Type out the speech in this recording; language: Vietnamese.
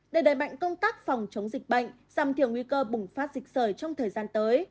để đẩy mạnh công tác phòng chống dịch bệnh giảm thiểu nguy cơ bùng phát dịch sởi trong thời gian tới